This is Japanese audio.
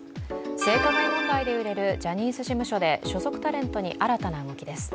性加害問題で揺れるジャニーズ事務所で、所属タレントに新たな動きです。